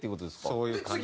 そういう感じ。